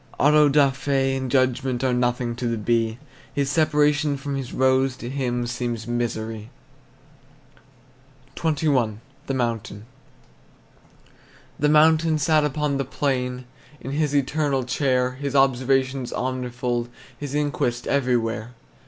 Auto da fe and judgment Are nothing to the bee; His separation from his rose To him seems misery. XXI. THE MOUNTAIN. The mountain sat upon the plain In his eternal chair, His observation omnifold, His inquest everywhere.